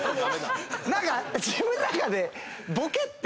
何か自分の中で。